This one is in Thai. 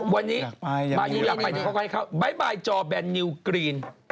วันนี้บ๊ายบายจอแบนนิวกรีน